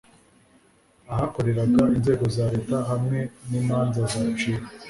ahakoreraga inzego za Leta hamwe n imanza zaciwe